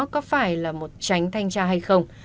có phải là một tránh thanh tra hay không